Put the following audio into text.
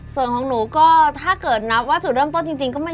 ส่วนของหนูก็ถ้าเกิดนับว่าจุดเริ่มต้นจริงก็ไม่